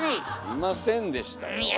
いませんでしたよ。